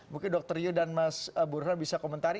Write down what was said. mungkin dokter yu dan mas burhan bisa komentari